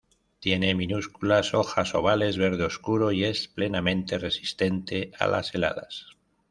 Tiene minúsculas hojas ovales verde oscuro y es plenamente resistente a las heladas.